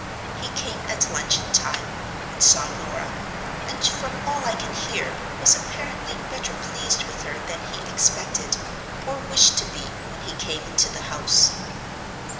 He came at luncheon time, and saw Norah; and, from all I can hear, was apparently better pleased with her than he expected or wished to be when he came into the house.